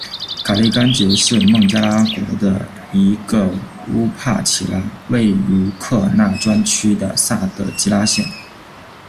卡利甘杰是孟加拉国的一个乌帕齐拉，位于库尔纳专区的萨德基拉县。